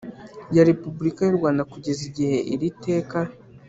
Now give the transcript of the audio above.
Ya repubulika y u rwanda kugeza igihe iri teka